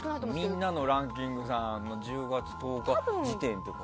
みんなのランキングさんの１０月１０日時点とか。